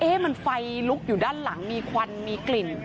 มันไฟลุกอยู่ด้านหลังมีควันมีกลิ่น